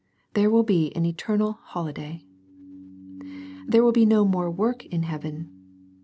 There will be an eternal holiday. There will be no more work in heaven.